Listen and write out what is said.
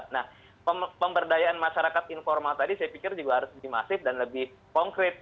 nah pemberdayaan masyarakat informal tadi saya pikir juga harus lebih masif dan lebih konkret